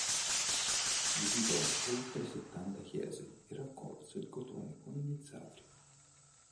Visitò oltre settanta chiese e raccolse il cotone con i mezzadri.